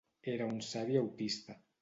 Era un savi autista.